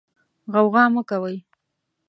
غوغا مه کوئ.